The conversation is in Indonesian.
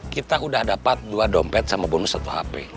kita udah dapet dua dompet sama bonus satu hape